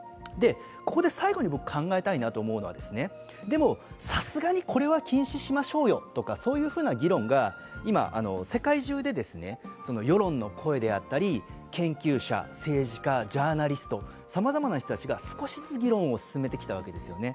ここで最後に僕、考えたいなと思うのは、さすがにこれは禁止しましょうよというのが議論が今、世界中で世論の声であったり、研究者、政治家、ジャーナリスト、さまざまな人たちが少しずつ議論を進めてきたわけですよね。